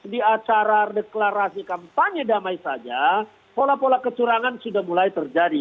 di acara deklarasi kampanye damai saja pola pola kecurangan sudah mulai terjadi